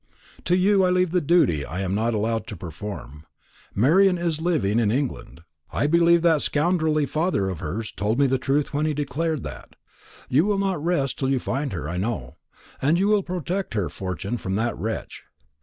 To you I leave the duty I am not allowed to perform. Marian is living, and in England. I believe that scoundrelly father of hers told me the truth when he declared that. You will not rest till you find her, I know; and you will protect her fortune from that wretch.